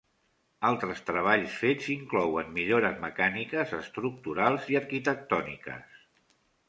Altres treballs fets inclouen millores mecàniques, estructurals i arquitectòniques.